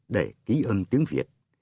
để ký ân tiếng việt